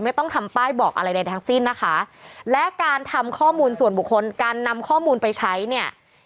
ไม่ต้องทำป้ายบอกอะไรใดทั้งสิ้นนะคะและการทำข้อมูลส่วนบุคคลการนำข้อมูลไปใช้เนี่ย